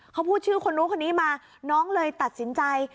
เขาพูดชื่อคนนู้นคนนี้มาน้องเลยตัดสินใจ